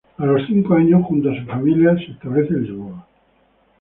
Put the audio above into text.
A los cinco años, junto a su familia, se establece en Lisboa.